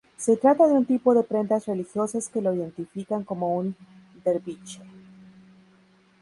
Se trata de un tipo de prendas religiosas que lo identifican como un derviche.